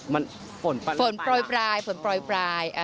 มันฝนปล่อยปลายฝนปล่อยปลายฝนปล่อยปลาย